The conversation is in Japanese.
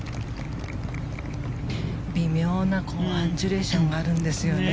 微妙なアンジュレーションがあるんですよね